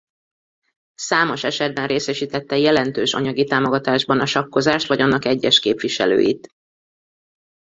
Számos esetben részesítette jelentős anyagi támogatásban a sakkozást vagy annak egyes képviselőit.